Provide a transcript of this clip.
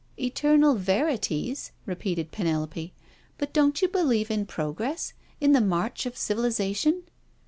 "Eternal verities?" repeated Penelope, "but don't you believe in progress, in the march of civilisation?"